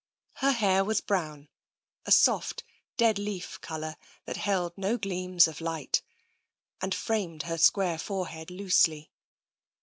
Her hair was brown, a soft dead leaf colour that held no gleams of light and framed her square forehead loosely.